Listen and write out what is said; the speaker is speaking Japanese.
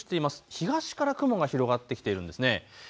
東から雲が広がってきています。